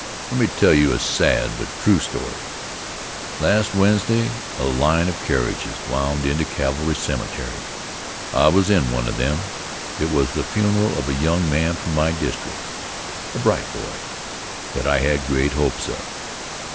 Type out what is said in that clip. Let me tell you a sad but true story. Last Wednesday a line of carriages wound into Cavalry Cemetery. I was in one of them. It was the funeral of a young man from my district a bright boy that I had great hopes of.